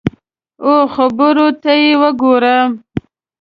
او خبرو ته یې وګوره !